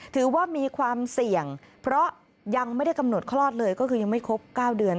ถือว่ามีความเสี่ยงเพราะยังไม่ได้กำหนดคลอดเลยก็คือยังไม่ครบ๙เดือน